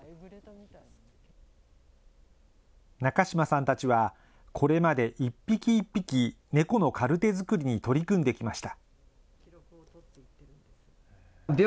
中島さんたちは、これまで一匹一匹猫のカルテ作りに取り組んできました。